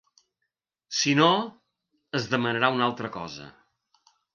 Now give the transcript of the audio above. Si no, es demanarà una altra cosa.